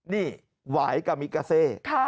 นี่หวายกับวิกาเซต